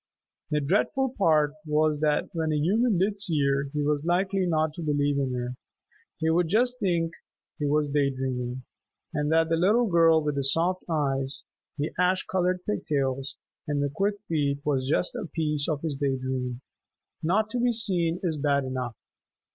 The dreadful part was that when a human did see her, he was likely not to believe in her. He would just think he was day dreaming, and that the little girl with the soft eyes, the ash colored pigtails, and the quick feet was just a piece of his day dream. Not to be seen is bad enough.